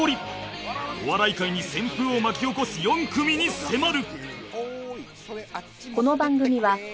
お笑い界に旋風を巻き起こす４組に迫る！